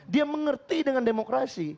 dia mengerti dengan demokrasi